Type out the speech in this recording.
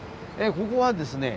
ここはですね